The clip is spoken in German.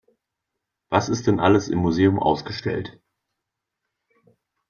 Was ist denn alles im Museum ausgestellt?